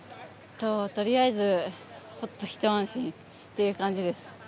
とりあえずほっと一安心という感じです。